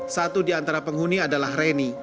satu di antara penghuni adalah reni